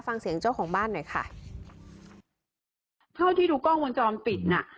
ฟังเสียงเจ้าของบ้านหน่อยค่ะเท่าที่ดูกล้องวงจรปิดน่ะ